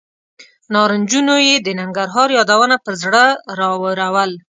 نارنجونو یې د ننګرهار یادونه پر زړه راورول.